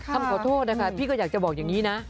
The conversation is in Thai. คำขอโทษนะคะพี่ก็อยากจะบอกอย่างนี้นะ